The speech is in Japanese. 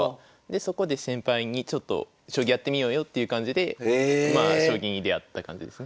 でそこで先輩にちょっと将棋やってみようよっていう感じで将棋に出会った感じですね。